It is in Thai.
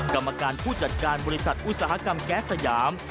กรรมการผู้จัดการบริษัทอุตสาหกรรมแก๊สสยาม